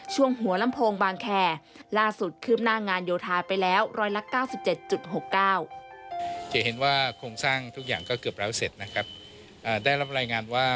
หัวลำโพงบางแคร์ล่าสุดคืบหน้างานโยธาไปแล้ว๑๙๗๖๙